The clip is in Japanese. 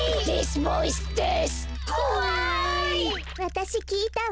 わたしきいたわ。